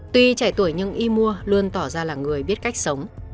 tuy trẻ tuổi nhưng y mua luôn tỏ ra là người biết cách sống